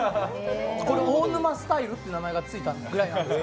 これ、大沼スタイルって名前がついたぐらい。